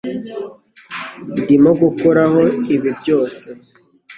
Ndimo gukuraho ibi byose